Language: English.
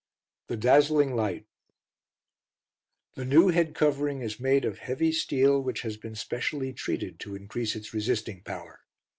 The Dazzling Light The new head covering is made of heavy steel, which has been specialty treated to increase its resisting power.